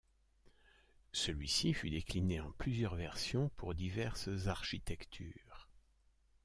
Celui-ci fut déclinée en plusieurs versions pour diverses architectures.